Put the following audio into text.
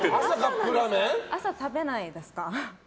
朝食べないですか？